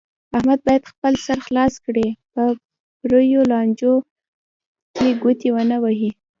احمد باید خپل سر خلاص کړي، په پریو لانجو کې ګوتې و نه وهي.